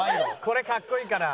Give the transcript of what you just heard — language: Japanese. これかっこいいから。